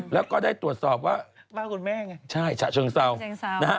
แล้วก็ได้ตรวจสอบว่าบ้านคุณแม่ไงใช่ฉะเชิงเศร้าเชิงเศร้านะฮะ